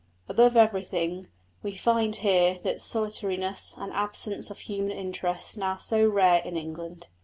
Above everything, we find here that solitariness and absence of human interest now so rare in England.